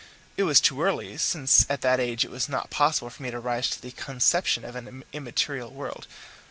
It was too early, since at that age it was not possible for me to rise to the conception of an immaterial world.